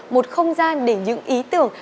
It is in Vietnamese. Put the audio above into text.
một không gian để những ý tưởng